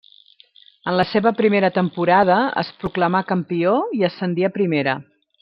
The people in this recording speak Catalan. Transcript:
En la seva primera temporada es proclamà campió i ascendí a Primera.